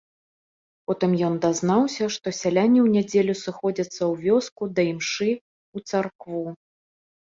Потым ён дазнаўся, што сяляне ў нядзелю сыходзяцца ў вёску да імшы ў царкву.